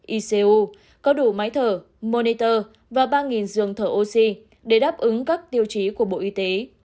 icu có đủ máy thở moniter và ba giường thở oxy để đáp ứng các tiêu chí của bộ y tế